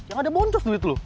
jangan ada bontos duit loh